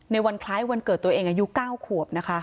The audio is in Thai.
วันคล้ายวันเกิดตัวเองอายุ๙ขวบนะคะ